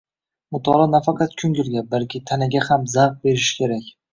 Mutolaa nafaqat koʻngilga, balki tanaga ham zavq berishi kerak